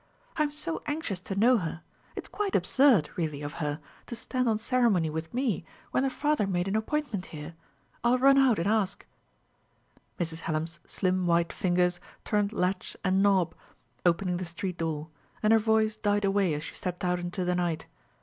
"I'm so anxious to know her. It's quite absurd, really, of her to stand on ceremony with me, when her father made an appointment here. I'll run out and ask " Mrs. Hallam's slim white fingers turned latch and knob, opening the street door, and her voice died away as she stepped out into the night.